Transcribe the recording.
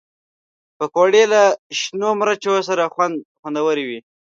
پکورې له شنو مرچو سره خوندورې وي